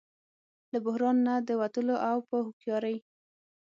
له بحران نه د وتلو او په هوښیارۍ